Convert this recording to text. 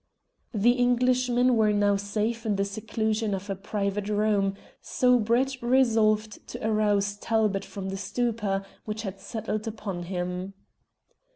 The Englishmen were now safe in the seclusion of a private room, so Brett resolved to arouse Talbot from the stupor which had settled upon him.